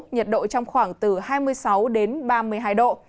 nhiệt độ trong khoảng từ hai mươi sáu đến ba mươi hai độ